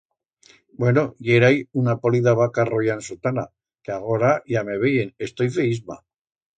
Bueno, yérai una polida vaca roya ansotana, que agora, ya me veyen, estoi feísma.